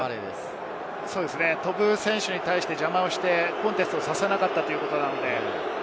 飛ぶ選手に対してコンテストさせなかったということです。